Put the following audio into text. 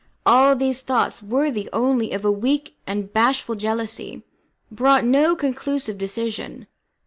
All these thoughts, worthy only of a weak and bashful jealousy, brought no conclusive decision.